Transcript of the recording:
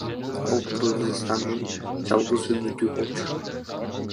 Ал Кыргызстандын жалгыз үмүтү болчу.